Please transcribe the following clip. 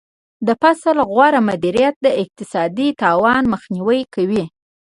د فصل غوره مدیریت د اقتصادي تاوان مخنیوی کوي.